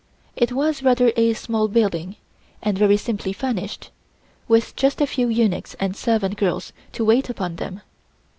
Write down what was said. It was rather a small building, and very simply furnished, with just a few eunuchs and servant girls to wait upon them.